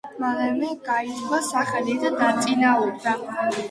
მალევე გაითქვა სახელი და დაწინაურდა.